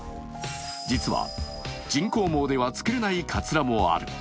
実は人工毛では作れないかつらもある。